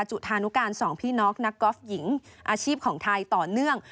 จุธานุการสองพี่น้องนักกอล์ฟหญิงอาชีพของไทยต่อเนื่อง